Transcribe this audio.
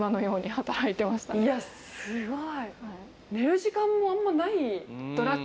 いやすごい。